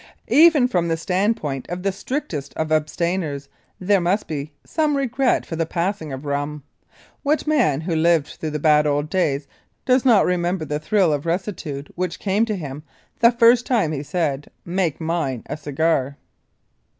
Even from the standpoint of the strictest of abstainers there must be some regret for the passing of rum. What man who lived through the bad old days does not remember the thrill of rectitude which came to him the first time he said, "Make mine a cigar."